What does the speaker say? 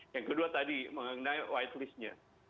yang kedua tadi mengenai whitelist nya